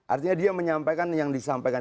artinya dia menyampaikan yang disampaikan